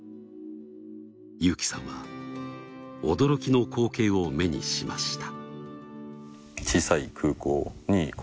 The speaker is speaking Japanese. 裕樹さんは驚きの光景を目にしました。